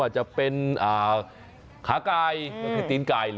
อารมณ์ของแม่ค้าอารมณ์การเสิรฟนั่งอยู่ตรงกลาง